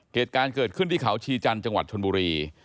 เหตุการณ์เกิดขึ้นที่เขาชีจันทร์จังหวัดชนบุรี